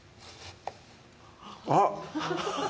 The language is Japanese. あっ